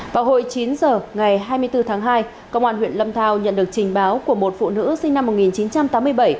vào hồi chín giờ ngày hai mươi bốn tháng hai công an huyện lâm thao nhận được trình báo của một phụ nữ sinh năm một nghìn chín trăm tám mươi bảy